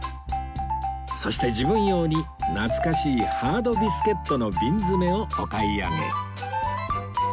そして自分用に懐かしいハードビスケットの瓶詰めをお買い上げ